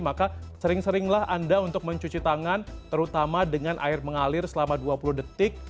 maka sering seringlah anda untuk mencuci tangan terutama dengan air mengalir selama dua puluh detik